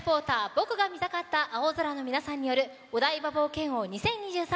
僕が見たかった青空の皆さんによるお台場冒険王２０２３